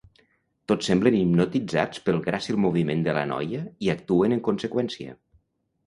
Tots semblen hipnotitzats pel gràcil moviment de la noia i actuen en conseqüència.